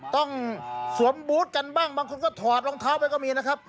ต้องสวมบูธกันบ้างบางคนก็ถอดรองเท้าไปก็มีนะครับ